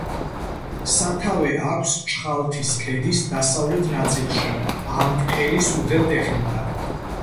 სათავე აქვს ჩხალთის ქედის დასავლეთ ნაწილში, ამტყელის უღელტეხილთან.